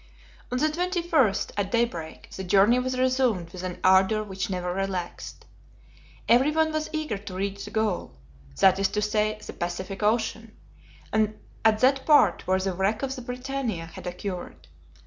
On the 21st, at daybreak, the journey was resumed with an ardor which never relaxed. Everyone was eager to reach the goal that is to say the Pacific Ocean at that part where the wreck of the BRITANNIA had occurred.